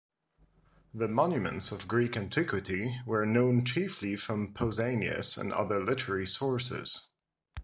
The monuments of Greek antiquity were known chiefly from Pausanias and other literary sources.